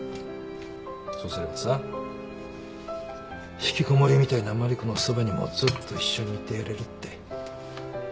そうすればさ引きこもりみたいな万理子のそばにもずっと一緒にいてやれるって。